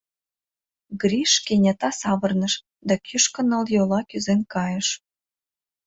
Гриш кенета савырныш да кӱшкӧ ныл йола кӱзен кайыш.